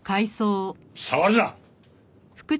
触るな！